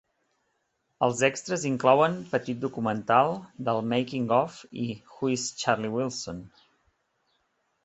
Els extres inclouen petit documental del 'making off' i 'Who is Charlie Wilson?'.